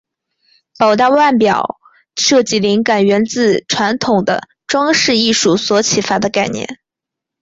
宝达腕表设计灵感源自传统的装饰艺术所启发的概念。